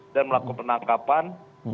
dan melakukan penangkapan